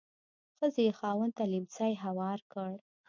ښځې یې خاوند ته لیهمڅی هوار کړ.